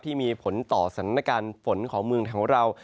ที่มีผลต่อสถานการณ์ฝนของเมืองของเรา